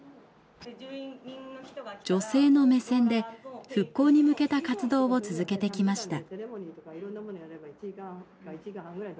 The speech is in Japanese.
女性の目線で復興に向けた活動を続けてきました。